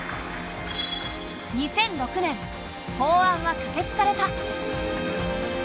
２００６年法案は可決された。